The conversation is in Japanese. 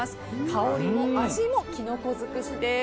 香りも味もキノコ尽くしです。